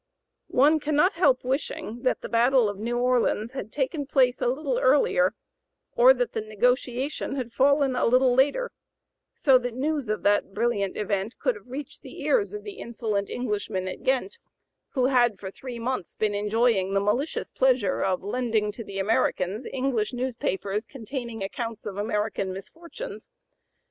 One cannot help wishing that the battle of New Orleans had taken place a little earlier, or that the negotiation had fallen a little later, so that news of that brilliant event could have reached the ears of the insolent Englishmen at Ghent, who had for three months been enjoying the malicious pleasure of lending to the Americans English newspapers containing accounts of American misfortunes.